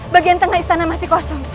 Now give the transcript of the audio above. bagian tengah istana masih kosong